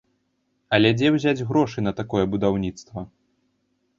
Але дзе ўзяць грошы на такое будаўніцтва?